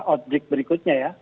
objek berikutnya ya